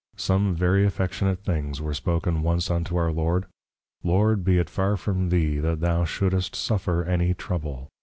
Some very Affectionate Things were spoken once unto our Lord; _Lord, be it far from thee, that thou shouldest suffer any Trouble!